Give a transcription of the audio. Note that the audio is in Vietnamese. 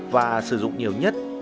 và sử dụng nhiều nhất